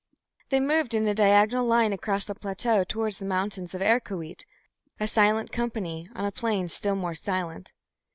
They moved in a diagonal line across the plateau toward the mountains of Erkoweet, a silent company on a plain still more silent.